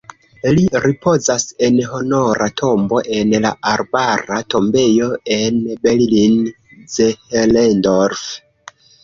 Li ripozas en honora tombo en la Arbara Tombejo en Berlin-Zehlendorf.